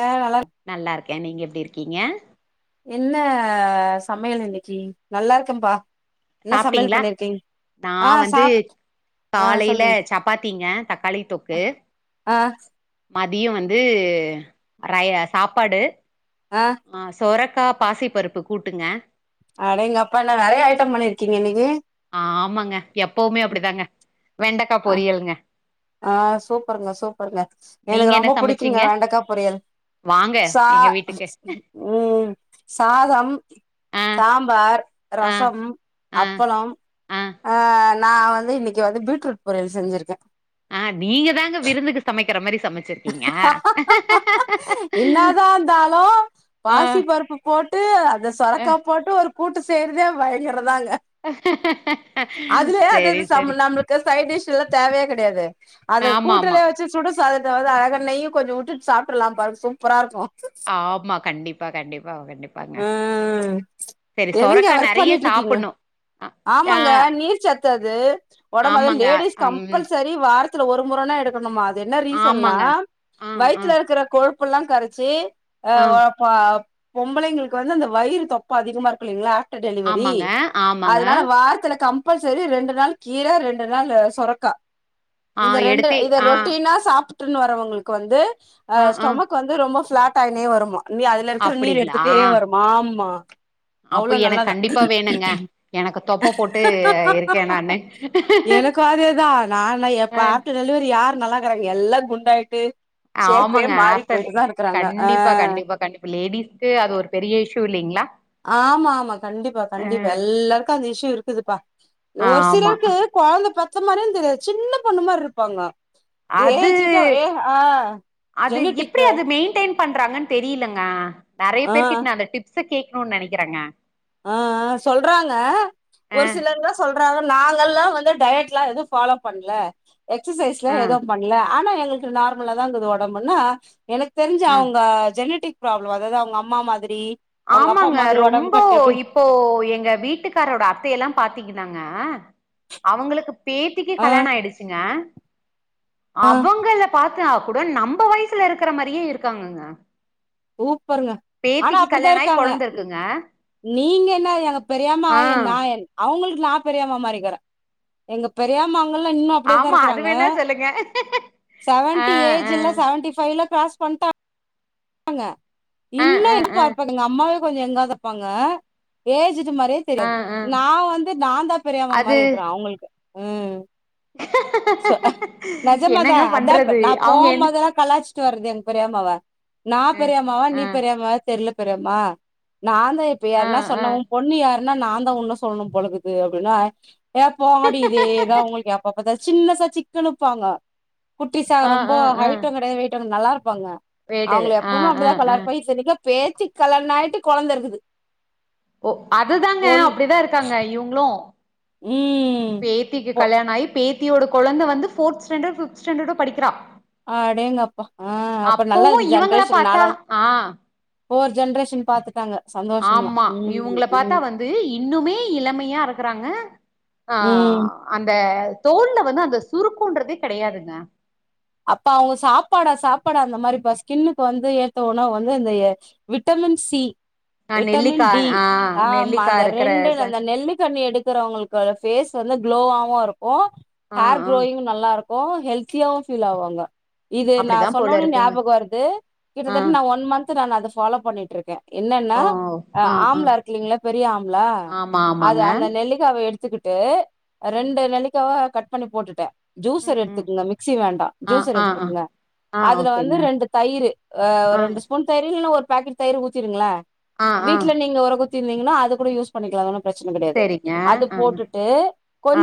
அ நல்லாரு நல்லா இருக்கே நீங்க எப்டி இருக்கீங்கே என்ன சமையல் இன்னக்கி நல்லாருக்கேபா என்ன சமயல் சாப்ட்டீங்களா பண்ணிருக்கீங் நா வந்து ஆ காலைல சொல்லுங்க சப்பாத்திங்க தக்காளி தொக்கு ஆ மதியோ வந்து ரய சாப்பாடு அ ஆ சொரக்கா பாசி பருப்பு கூட்டுங்க அடேங்கப்பா என்ன நெறயா ஐட்டம் பண்ணிருக்கீங்க இன்னைக்கி ஆமாங்க எப்போமே அப்டிதாங்க வெண்டக்கா ஆ பொரியலுங்க ஆ சூப்பருங்க சூப்பருங்க நீங்க எனக்கு என்ன ரொம்ப புடிக்குங்க சமச்சீங்க வெண்டக்கா பொரியல் வாங்க சா எங்க வீட்டுக்கு ம் சாதம் ஆ சா சாம்பார் ஆ ரசம் ஆ அப்பளம் ஆ அ நா வந்து இன்னைக்கி வந்து பீட்ரூட் பொரியல் செஞ்சிருக்கே ஆ நீங்க தாங்க விருந்துக்கு சமைக்கற மாரி சமச்சு என்னதா இருந்தாலு பாசிப்பருப்பு போட்டு அந்த அ சொரக்கா போட்டு ஒரு கூட்டு செய்றதே வழியாறதுதாங்க அதுலயே அது செரி இது செரி சாப்புளான் நம்முளுக் க்கு சைடிஷ்ல்லா தேவயே கெடையாது அத ஆமா ஆமா கூட்டுலயே வெச்சு சுடு சாதத் த்தாவது அழகா நெய்ய கொஞ்சோ உட்டுட் சாப்டுர்லாம் பாருங்க சூப்பரா இருக்கு ஆமா கண்டிப்பா கண்டிப்பா கண்டிப் ப்பாங்க ம் செரி என்னங்க சொரக்கா ஒர்க் நறையா பண்ணிட்டு இருக்கீங்க சாப்டுனு ஆ ஆமாங்க நீர் சத்து அது ஒடம்பு அது ஆமாங்க லேடிஸ் ம் கம்பல்செரி வாரத் த்துல ஒரு மொறனா எடுக்கணுமா அது என்ன ரீசன்னா ஆமாங்க ஆ ஆ வயித்துல இருக்கிற கொழுப்பெல்லா கரச்சி ஆ அ பொம்பளைங்களுக்கு வந்து அந்த வயிறு தொப்பா அதிகமா இருக்கு இல்லங்களா ஆஃப்டர் டெலிவரி ஆமாங்க ஆமாங்க அதனால வாரத்துல கம்பல்சரி ரெண்டு நாள் கீர ரெண்டு நாள் சுரக்கா ஆ இந்த ரெண்டு எடுத்து இத ஆ ரொட்டினா சாப் டிர்ன் வரவங்களுக்கு வந்து ஆ ஆ ஸ்டொமக் வந்து ரொம்ப பிளாட் ஆயினே வருமா நீ அதுல இருக்கிற நீர் அப்டிங்களா எடுத்துட்டே வருமா ஆமா அப்ப அவ்ளே எனக்கு நல்லாதான் கண்டிப்பா வேணுங்க எனக்கு தொப்ப போட்டு இருக்கே நானு எனக்கும் அதேதான் நானா அ எப்பாட் டெலிவரி யாரு நல்லாக்கறாங்க எல்லா குண்டாயிட்டு சஷேப்பே ஆமாங்க மாரி ஆஃப்டர் போயிட்டு தான் இருக்கிறாங்க ஆ கண்டிப்பா கண்டிப்பா கண்டிப்பா லேடிஸ்க்கு அது ஒரு பெரிய இஷ்யூ இல்லீங்களா ஆமா ஆமா கண்டிப்பா கண்டிப்பா எல்லாருக்கும் அந்த இஷ்யூ இருக்குதுப்பா ஒரு ஆமா சிலருக்கு கொழந்த பெத்த மாரியும் தெரியாது சின்ன பொண்ணு மாரி இருப்பாங்க அது ஏஜ்ட்ட ஏ ஆ அது ஜெனட்டிக் எப்டி அது மெயின்டெயின் பண்றாங்க ன்னு தெரியலங்க நெறைய ஆ பேருக்கிட்ட நான் அந்த டிப் ஸ் கேக்கணும்னு நெனைக்கறங்க ஆ ஆ சொல்றாங்க அ ஒரு சிலர்த சொல்றாங்க நாங்கல்லா வந்து டயட் எல்லா எது ஃபாலோ பண்ல எக்ஸசைஸ்லா அ எதும் பண்ல ஆனா எங்களுக்கு நார்மலா தா இருக்குது ஒடம்புன்னா எனக் தெருஞ்சு அ அவுங்க ஜெனிட்டிக் புராபுளோ அதாவது அவுங்க அம்மா மாதிரி அவங்க அப்பா ஆமாங்க மாதிரி ஒடம்பு ரொம்போ கட்டு அப்டி இப் இபோ எங்க வீட்டுக்காரோட அத்தை எல்லாம் பாத்தீங்கன்னாங்க அவங்களுக்குப் பேத்திக்கு ஆ கல்யாணோ ஆயிடுச்சுங்க அவங்கள பாத்தா கூட நம்ப வயிஸ் வயித்துல இருக்குற மாறியே இருக்காங்கங்க சூப்பருங்க ஆனா பேத்திக்கு அப்டிதா கல்யாண ஆயி இருக்காங்க கொழந்த இருக்குங்க நீங்க என்ன எங்க பெரியம்மா ஆ நா என் அவங்களுக்கு நா பெரியாம்மா மாரி இருக்குற எங்க பெரியாமங்கல்லா இன்னு அப்புடியே தா இருக்குறாங்க ட்டுங்க செவன்டி ஏஜ் இல்ல செவன்டி ஃபைவ்ல கிராஸ் பண்டா இருப்பாங்க ஆ இன்னு ஆ எங்க ஆ பாப்பாங்க எங்க அம்மாவே கொஞ்சோ எங்காதா இருப்பாங்க ஏஜ்ஜுடு மாரியே ஆ தெரியாது ஆ நா வந்து நாந்தா பெரியாம்மா அது மாரி இருக்குற அவங்களுக்கு ம் சோ நெஜமாதா என்னங்க அதா பண்றது நா அவங்க என்ன போம்போதெல்லா கலாச்சுட்டு வர்றது எங்க பெரியம்மாவ நா பெரியம்மாவா அ நீ பெரியம்மாவா தெர்ல பெரியம்மா நாந்தா இப்ப அ யார்னா அ அ சொன்னா உம் பொண்ணு யார் ன்னா நாந்தா உன்ன சொல்னும் போல இருக்குது அப்டின்னா ஏ போங்கடி இதேதா உங்களுக்கு எப் பாப்பத்தா சின்னசா சிக்குனு இப்பாங்க குட்டிசா ஆ ரொம்ப ஆ ஆ ஹைட்டுங் கெடையாது வெயிட்டுங் நல்லா இருப்பாங்க வேட்டரு அவுங்கள ஆ எப்பவுமே ஆ அப்டிதா ஆ கலார் போயி இத்தனிக்கு பேத்திக் கல்யாணோ ஆயிட்டு கொழந்த இருக்குது ஓ அதுதாங்க பொண் அப்டிதா இருக்காங்க இவுங்களு ம் பேத்திக்கு பொ கல்யாணோ ஆயி பேத்தியோட கொழந்த வந்து ஃபோர்த்து ஸ்டேண்டடோ ஃபிப்த்து ஸ்டேண்டடோ படிக்கிறா ஆ அடேங்கப்பா ஆ அப்ப நல்லா அப்பவு இவங்கள ஜென்ரேஷன் பாத்தா நாளாக ஆ ஃபோர் ஜென்ரேஷன் பாத்துட்டாங்க சந்தோஷந்தா ஆம்மா ம் இவுங்ள ம் பாத்தா வந்து இன்னுமே இளமையா இருக்கறாங்க ஆ ம். அந்த தோல்ல வந்து அந்த சுருக்கோன்றதே கெடையாதுங்க அப்ப அவுங்க சாப்பாடா சாப்பாடா அந்த மாரிப்பா ஸ்கின்னுக்கு வந்து ஏத்த உணவு வந்து இந்த விட்டமின் சி ஆ விட்டமின் நெல்லிக்கா டி ஆ ஆம்மா நெல்லிக்கா அந்த இருக்கிற ரெண்டு ச அந்த நெல்லிகனி எடுக்கறவங்ளுக் ஃபேஸ் வந்து குளோவாவுருக்கு ஆ ஹேர் ஆ க்ரோயிங்கு நல்லாருக்கு ஹெல்த்தியாவு பீல் ஆவாங்க இது நா அப்டிதா போல சொன்னோனே இருக்குங்க ஞாபகோ வருது ஆ கிட்டத்தட்ட நா ஒன் மன்த்து நா அத ஃபாலோ பண்ணிட்ருக்க என்னன்னா ஓ அ ஆ ஆ ஆம்ளா இருக்குல்லீங்களா பெரிய ஆம்ளா ஆமா ஆமாங்க நெல்லிக்காவ எடுத்துக்கிட்டு ம் ரெண்டு நெளிக்காவ கட் பண்ணி போட்டுட்ட ஜூசர் ம் ம் எடுத்துக்கங்க மிக்சி வேண் ஆ ஜூசர் ஆ ஆ எடுத்துக்கங்க ஆ அதுல வந்து ஓகேங்க ரெண்டு தயிரு அ ஆ ரெண்டுஸ் முன் தயிறு ஒரு பாக்கெட் தயிறு ஊத்திருங்களே ஆ ஆ வீட்ல நீங்க ஒர குத்திருந்தீங்கன்னா அது கூட யூஸ் பண்ணிக்கலா அது ஒன்னு பிரச்சன கெடையாது செரிங்க அது ஆ போட்டுட்டு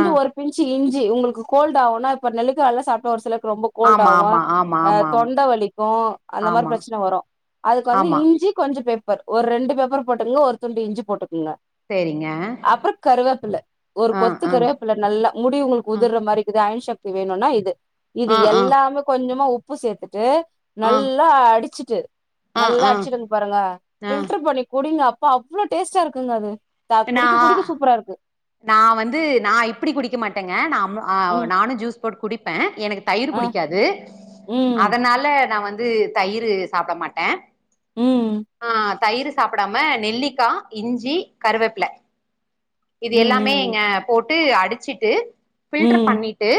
ஆ ஒருப் பின்சு இஞ்சி உங்களுக்கு கோல்டு ஆகுன்னா இப்ப நெல்லிக்கா எல்லா சாப்டா ஒரு சிலருக்கு ரொம்ப ஆமா கோல்டாகு ஆமா அ ஆமா ஆமா ஆமா தொண்ட வலிக்கு அந்த மாரி ஆமா பிரச்சன வரு அதுக்கு வந்து ஆமா இஞ்சி கொஞ்சோ பெப் ப்பர் ஒரு ரெண்டு பெப்பர் போட்டுக்கங்க ஒரு துண்டு இஞ்சி போட்டுக்கங்க செரிங்க அப்றோ கருவேப்பில ஒரு ஆ கொத்து ஆ கருவேப்பில நல்லா முடி உங்ளுக் ஆ உதிர்ற மாரிக்குது அயின் சக்தி வேணுனா இது இது ஆ ஆ எல்லாமே கொஞ்சமா உப்பு சேத்துட்டு ஆ நல்லா அடிச்சிட்டு ஆ நல்லா ஆ அடிச்சிட்டு வந்து பாருங்க ஆ பில்டர் பண்ணி குடிங்க அப்பா அவ்ளோ டேஸ்ட்டா இருக்குங்க அது இப்ப நா சூப்பராருக்கு நா வந்து நா இப்டி குடிக்க மாட்டேங்க நா ம் நானு ஜூஸ் போட்டு குடிப்பே எனக் தயிர் ஆ புடிக்காது ம் அதனால நா வந்து தய்ரு சாப்ட மாட்டே ம் தயிர் சாப்பிடாம நெல்லிக்காய் இஞ்சி கருவேப்ல இது ம் எல்லாமே ம் இங்க போட்டு அடிச்சிட்டு பில்டர் ம் பண்ணிட்டு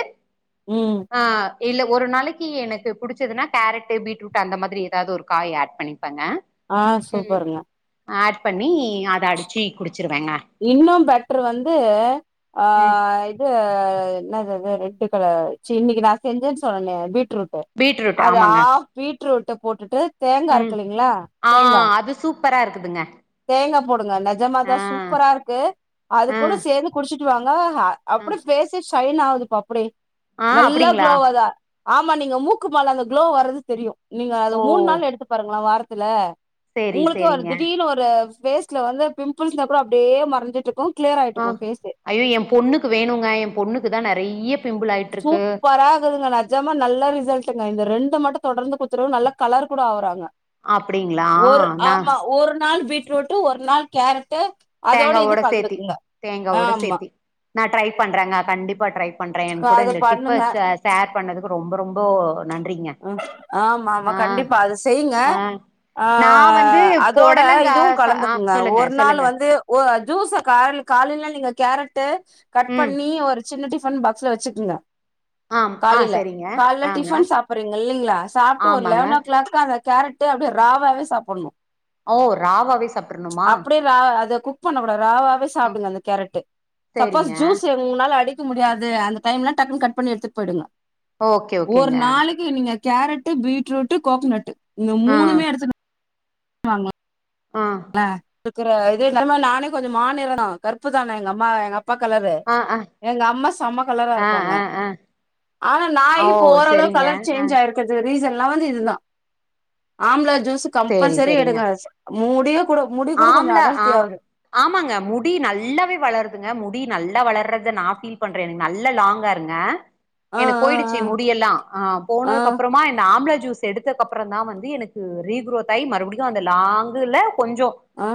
ம் ஆ இல்ல ஒரு நாளைக்கி எனக்கு புடிச்சுதுனா கேரட் பீட்ரூட் அந்த மாதிரி ஏதாவ்து ஒரு காய் ஆட் பண்ணி ங்க ஆ சூப்பருங்க ஆட் பண்ணி அத அடிச்சு குடிச்சிருவேங்க இன்னு பெட்ரு வந்து ஆ ம் என்னாது அது ரெட்டு கலர் சீ இன்னைக்கு நா செஞ்சேன் சொன்னேனே பீட்ரூட் பீட்ரூட் அது ஆ ஆமாங்க பீட்ரூட்ட போட்டுட்டு தேங்கா ம் இருக்குலீங்ளா ஆ தேங்கா அது சூப்பரா இருக் இருக்குங்க தேங்க போடுங்க நெஜமாதா சூ சூப்பரா இருக்கு அது ஆ கூட சேந்து குடிச்சுட் வாங்க ஆ அப்டே ஃபேஸ் அப்டி சைன் ஆகுதுப்பா அப்டி ஆ நல்லா அப்டிங்களா குளோவதா ஆம்மா நீங்க மூக்குமால அந்த குளோ வர்றது தெரியு நீங்க அது ஓ மூண் நாள் எடுத்து பாருங்ளே வாரத்துல சேரி உங்ளுக்கே ஒரு சேரிங்க திடீர்ன் ஒரு பேஸ்ல வந்து பிம்பிள்ஸ்கு அப்றோ அப்டியே மறைஞ்ட்டு இருக்கு க்ளியர் ஆயிட்டு ஆ இருக்கு பேஸ்யே ஐயோ எ பொண்ணுக்கு வேணுங்க எ பொண்ணுக்கு தா நெறைய பிம்பிள் ஆயிட்ருக்கு சூப்பராகுதுங்க அது நெஜமா நல்ல ரிசல்ட்டுங்க இந்த ரெண்ட மட்டு தொடர்ந்து குடுத்துட்ற நல்ல கலர் கூட ஆறாங்க அப்டிங்களா ஒரு நா ஆம்மா ஒரு நாள் பீட்ரூட்டு் ஒரு நாள் கேரட்டு அதோட இது தேங்காவோட சேத்தி கலந்துக்குங்க தேங்காவோட ஆமா சேத்தி நா ட்ரை பண்றேங்க கண்டிப்பா ட்ரை பண்றே ஏ கூட அது இந்த டிப்ப பண்ணுங்க ஷே ஷேர் பண்ணதுக்கு ரொம்ப ரொம்போ ம் ஆமாமா கண்டிப்பா அது செய்ங்க ஆ ஆ நா வந்து அதோட பொடலங்கா இதுவு ச ஆ கலந்துக்குங்க சொல்லுங்க ஒரு நாள் சொல்லுங்க வந்து ஓ ஜூஸ கால் காலில நீங்க கேரட் ட்டு கட் ம் பண்ணி ஒரு சின்ன டிஃபன் பாக்ஸ்ல வச்சுக்கங்க ஆம் ஆ காலைல செரிங்க கால்ல ஆங்க டிஃபன் சாப் சாப்றீங்க இல்லயா சாப்ட்டு ஒரு ஆமாங்க லெவன் ஓ கிளாக்கு அந்த கேரட்டு அப்டியே ராவாவே சாப்புணு ஓ ராவாவே சாப்ட்ருனுமா அப்டியே ரா அத குக் பண்ணக்கூடாது ராவாவே சாப்டுங்க அந்த கேரட்டு சப்போஸ் சேரிங்க ஜூஸு ஒங்னால அடிக்க முடியாது அந்த டைம்ல டக்குனு கட் பண்ணி எடுத்திட் பொயி்டுங்க ஓகே ஒரு ஓகேங்க நாளைக் நீங்க கேரட்டு பீட்ரூட்டு கோகனட்டு இந்த ஆ மூணுமே எடுத்துட் வாங்க ம் இருக்கற இதே எம்மா நானே கொஞ்ச மாநிறம் கருப்புதா நா எங்கம்மா எங்க அப் ப்ப கலரு ஆ ஆ எங்கம்மா செம்ம கலரா ஆ இருப்பாங்க ஆ ஆனா நா ஆ ஓ இப்போ ஓரளவ்க் செரிங்க கலர் சேஞ்ச் ஆயிருக் க்கிறது ரீசன்லா வந்து இதுதா ஆம்லா ஜூஸ் சேரி கம்பல்சரி செரிங்க எடுங்க மூட் கூட முடி கூட கொஞ்ச ஆம்லா ஆ அடர்த்தியாவ்து ஆமாங்க முடி நல்லாவே வளருதுங்க முடி நல்லா வளர்றத நா ஃபீல் பண்றே நல்லா லாங்ஹேருங்க ஆ எனக் ஆ போயிடுச்சு முடியெல்லா ஆ ஆ போனதுக் அப்புறமா இந்த ஆம்லா ஜூஸ் எடுத்தக்கப்றோ தா வந்து எனக்கு ரீ குரோத் ஆகி மறுபடியு அந்த லாங்கில கொஞ்சோ ஆ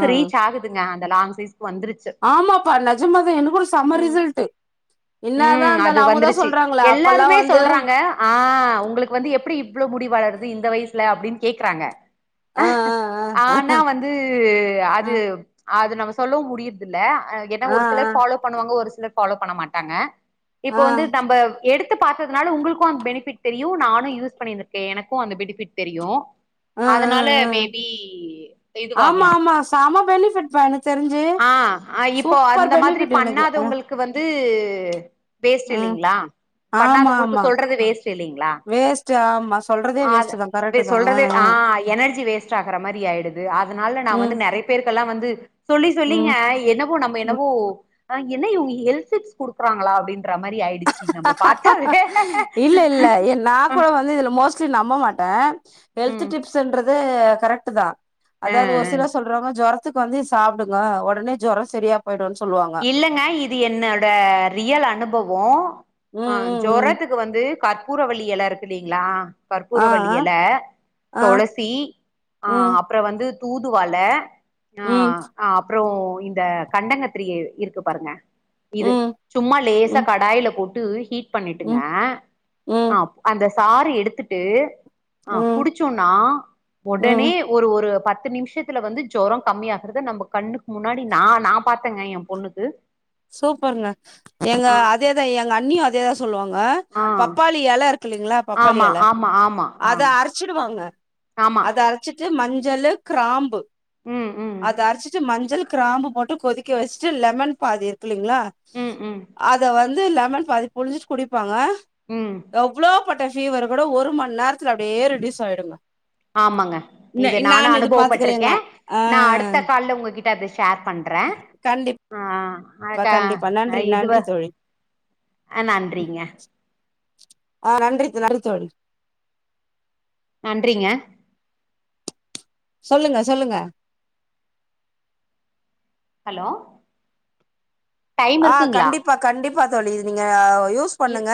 ஆ ரீச் ஆகுதுங்க அந்த லாங் சைஸ்கு வந்துருச் ஆமாப்பா நெஜமாதா எனக்குட செம்ம ம் ரிசல்ட்டு இன்னாதா ம் அது இருந்தாலு அவங்கதா வந்துருச்சு சொல்றாங்கள அப்பெல்லா எல்லாருமே வந்து சொல்றாங்க ஆ ஒங்களுக்கு வந்து எப்டி இவ்ளோஓ முடி வளருது இந்த வயசுல அப்டின் கேக்குறாங்க ஆ ஆனா வந்து ஆ ஆ அது அது நம்ம சொல்லவு முடியதில்ல அதுக்கெனா ஆ ஆ ஒரு சிலர் ஃபாலோ பண்ணுவாங்க ஒரு சிலர் ஃபாலோ பண்ண மாட்டாங்க இப்ப ஆ வந்து நம்ம எடுத்து பாத்ததுனால ஒங்ளுக்கு அந்த பெனிபிட் தெரியு நானு யூஸ் பண்ணிட்ருக்கே எனக்கு அந்த பெனிபிட் தெரியு ஆ அதனால ஆ பேபி பி ஏ இப்ப ஆமா இதுவாகலா ஆமா செம பெனிஃபிட்ப்பா எனக்கு தெரிஞ்சு ஆ ஆ இப் இப்போ சூப்பர் அந்த மாதிரி பெனிஃபிட் எனக்கு ஆ பண்ணாதவங்களுக்கு வந்து வேஸ்ட்டு ம் இல்லைங்ளா ஆமா பண்ணாதவங்களுக்கு ஆமா சொல்றது வேஸ்ட் டு இல்லைங்களா வேஸ்ட் ஆமா சொல்றதே வேஸ்ட் அத தா கரெக்ட் தா சொல்றதே ஆ எனர்ஜி வேஸ்ட் ஆகுற மாரி ஆயிடுது அதனால நா ம் வந்து நெறைய பேருக்கெல்லா வந்து சொல்லி சொல்லிங்க ம் என்னவோ நம்ம ம் என்னவோ ஆ என்ன இவங்க ஹெல்த் டிப்ஸ் குடுக்குறாங்களா அப்டின்ற மாரி ஆயிடு இல்ல இல்ல ஏ நா கூட வந்து இதுல மோஸ்ட் சி நம்ப மாட்டே ம் ஹெல்த்து டிப்ஸ்ன்றது கரெக்ட்டு தா அ அதாது ஒரு சிலர் சொல்றாங்க ஜொரத்துக்கு வந்து சாப்டுங்க ஒடனே ஜொரோ சரியா பொயிடுன் சொல்வாங் இல்லங்க இது என்னோட ரியல் அனுபவோ ஆ ம் ம் ம் ஜொரத்துக்கு வந்து கற்பூரவல்லி எல இருக்கில்லிங்களா ஆ கற்பூரவல்லி ஆ எல ஆ தொளசி ஆ ம் அப்றோ வந்து தூதுவள ஆ ம் அ அப்றோ ந்த கண்டங்கத்திரி இருக்கு பாருங்க இது ம் சும்மா லேசா ம் கடாய்ல போட்டு ஹீட் பண்ணிட்டுங்க ம் ம் ஆப் அந்த சாறு எடுத்துட்டு ஆ ம் குடிச் சோனா ம் ஒடனே ஒரு ஒரு பத்து நிமிஷத்துல வந்து ஜொரோ கம்மியாகறத நம்ம கண்ணுக்கு முன்னாடி நா நா பாத் த்தேங்க ஏ பொண்ணுக்கு சூப்பருங்க எங்க ஆ அதேதா எங்க அண்ணியு அதேதா சொல்வாங்க ஆ பப்பாளி எல இருக்குல்லீங்களா பப் ஆமா ஆமா ஆமா ஆஹ் அரச்சிடுவாங்க அத அரச்சிட்டு மஞ்சளு கிராம்பு ம் ம் அத அரச்சிட்டு மஞ்சள் கிராம்பு போட்டு கொதிக்க வச்சிட்டு லெமன் பாதி இருக்கில்லலைங்களா ம் ம் அத வந்து லெமன் பாதி புழிஞ்சிட்டு குடிப்பாங்க ம் எவ்ளோ பட்ட ஃபீவர் கூட ஒரு மண் நேரத்துல அப்டியே ரெடியூஸ் ஆயிடும் ஆமாங்க இத நானு அனுபவப்பட்டிருக்க பாத்துக்கிறேங்க ஆ நா அடுத்த கால்ல உங்ககிட்ட அது ஷேர் பண்ற கண்டிப்பா அக்கா கண்டிப்பா நன்றி நன்றி இதுவந் தோழி ஆ நன்றிங்க ஆ நன்றி நன்றி தோழி நன்றிங்க சொல்லுங்க சொல்லுங்க ஹலோ டைம் ஆ இருக்குங்களா கண்டிப்பா கண்டிப்பா தோழி இது நீங்க யூஸ் இர் பண்ணுங்க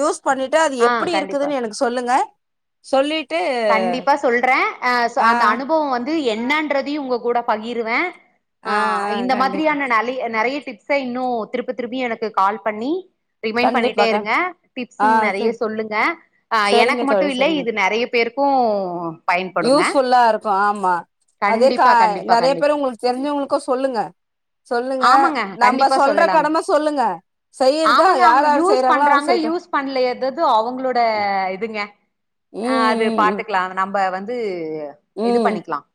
யூஸ் பண்ணிட்டு அது ஆ எப்டி கண்டிப்பா இருக்குதுன்னு எனக்கு சொல்லுங்க சொல்லிட்டு கண்டிப்பா சொல்றே அ ஆ அந்த அனுபவ வந் து என்னான்றதையு ஒங்க கூட பகிருவே ஆ இந்த மாதிரியான நலி நெறைய டிப்ஸ்ச இன்னு திருப்பி திருப்பி எனக்கு கால் பண்ணி ரிமைண் பண்ணிட்டே கண்டிப்பா கண் இருங்க டிப்ஸு ஆ நெறைய சரி சொல்லுங்க அ சரிங்க எனக்கு மட்டு தோழி இல்ல சரிங்க இது நெறைய பேருக்கும் பயன்படுங்க யூஸ்ஃபுல்லா இருக்கு ஆமா அதே கா கண்டிப்பா கண்டிப்பா நிறைய கண்டிப் பேரு உங்களுக்கு தெரிஞ்சவங்களுக்கு சொல்லுங்க சொல்லுங்க ஆமாங்க நம்ப கண்டிப்பா சொல்ற சொல்லலாங்க கடம சொல்லுங்க செய்றத யார் யார் செய்றாங்களோ அவங்க செய்யட்டு பண்ணல எதுஎதோ அவங்களோட இதுங்க அது ம் ம் நம்ப வந்து ம் இது ம் பண்ணிக்கலாம்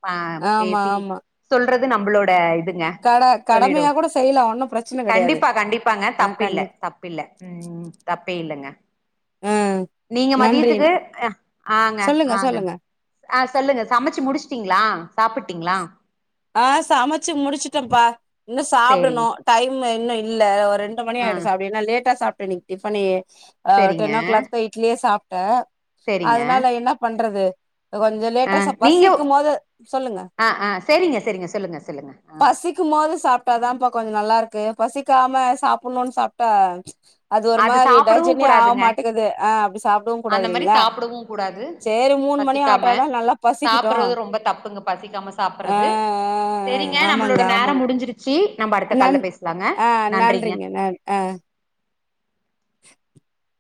ஆமா பேசி ஆமா சொல்றது நம்மளோட இதுங்க கட கடமையா சொல்லிடும் கூட செய்யலா ஒன்னு பிரச்சன கெடையாது கண்டிப்பா கண்டிப்பாங்க ஆ தப்பில்ல கண்டிப்பா தப்பில்ல ம் தப்பே இல்லங்க ஆ நீங்க நன்றி மதியத்துக்கு ஆ ஆங்க சொல்லுங்க சொல்லுங்க ஆ சொல்லுங்க சமச்சி முடிச்சிட்டீங்களா சாப்பிட்டீங்களா ஆ சமச்சு முடிச்சிட்டேன்ப்பா இன்னும் சேரிங்க சாப்டணும் டைம் இன்னும் இல்ல ஒரு ரெண்டு மணி ஆ ஆயிடுச்சி அப்டினா லேட்டா சாப்ட்டேன் இன்னிக்கு டிபனே அ சேரிங்க டென் ஓ கிளாக் தா இட்லியே சாப்ட சேரிங்க அதனால என்ன பண்றது கொஞ்ச ஆ லேட்டா ச பசிக்கும் போது சொல்லுங்க சரிங்க சரிங்க சொல்லுங்க சொல்லுங்க பசிக்கும் போது சாப்பிட்டாதான்ப்பா கொஞ்சம் நல்லா இருக்கு பசிக்காம சாப்புணும் சாப்டா அது ஒரு மாரி சாப்பிடவு டைஜன்னே ஆக கூடாதுங்க மாட்டேக்குது ஆ அப்டி சாப்டவும் அந்த மாரி கூடாதுல்லைங்களா சாப்பிடவு கூடாது சரி மூணுமணி பசிக்காம ஆட்டனா நல்லா பசிக்கிட்டு சாப்பிடுறது ரொம்ப பசிக்காம சாப்றது சரிங்க நம்மளோட ஆமாங்க நேரம் ஆமாங்க முடிஞ்சிருச்சு நம்ம அடுத்த கால்ல பேசலாங்க நன்றிங்க அஹ [inaudible]